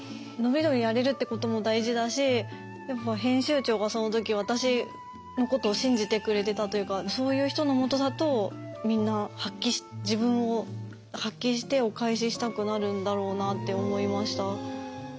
伸び伸びやれるってことも大事だしやっぱ編集長がその時私のことを信じてくれてたというかそういう人の下だとみんな自分を発揮してお返ししたくなるんだろうなって思いました。